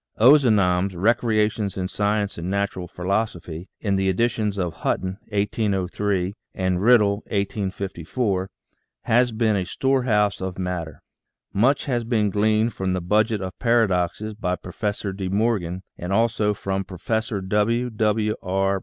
Ozanam's "Recrea tions in Science and Natural Philosophy," in the editions of Hutton (1803) and Riddle (1854), has been a storehouse of matter. Much has been gleaned from the " Budget of Paradoxes " by Professor De Morgan and also from Profes sor W. W. R.